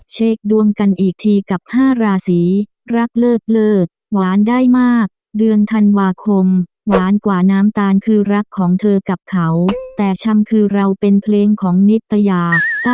เช็คดวงกันอีกทีกับ๕ราศีรักเลิกเลิศหวานได้มากเดือนธันวาคมหวานกว่าน้ำตาลคือรักของเธอกับเขาแต่ชำคือเราเป็นเพลงของนิตยา